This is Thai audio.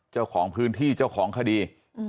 เจ้าของพื้นที่เจ้าของคดี